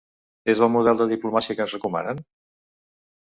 És el model de diplomàcia que ens recomanen?